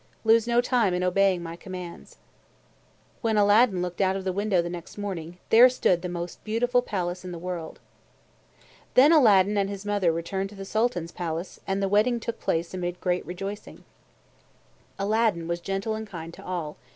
Lose no time in obeying my commands!" When Aladdin looked out of the window the next morning, there stood the most beautiful palace in the world. Then Aladdin and his mother returned to the Sultan's palace, and the wedding took place amid great rejoicing. Aladdin was gentle and kind to all.